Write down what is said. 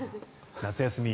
夏休み